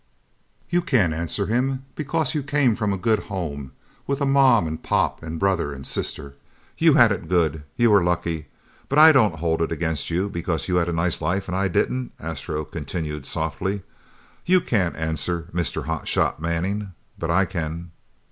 "You can't answer him because you came from a good home. With a mom and pop and brother and sister. You had it good. You were lucky, but I don't hold it against you because you had a nice life and I didn't." Astro continued softly, "You can't answer Mr. Hot shot Manning, but I can!"